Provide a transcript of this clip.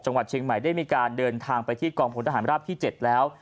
จังหวัดเชียงใหม่ได้มีการเดินทางไปที่กองพลทหารราบที่๗แล้ว